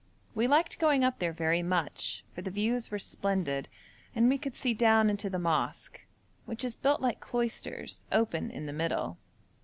We liked going up there very much, for the views were splendid, and we could see down into the mosque, which is built like cloisters, open in the middle.